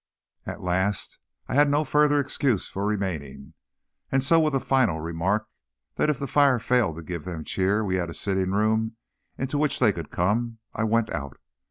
At last I had no further excuse for remaining, and so with the final remark that if the fire failed to give them cheer we had a sitting room into which they could come, I went out.